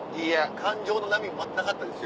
感情の波が全くなかったですよ。